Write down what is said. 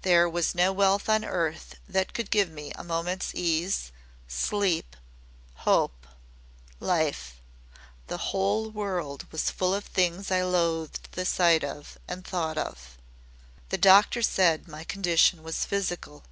"There was no wealth on earth that could give me a moment's ease sleep hope life. The whole world was full of things I loathed the sight and thought of. The doctors said my condition was physical.